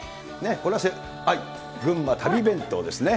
これは群馬旅弁当ですね。